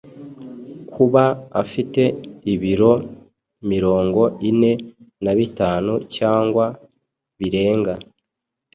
Kuba afite ibiro mirongo ine nabitanu cg birenga